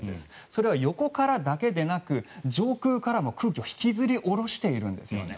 それは横からだけでなく上空からも空気を引きずり下ろしているんですね。